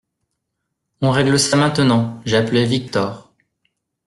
On règle ça maintenant, j’ai appelé Victor.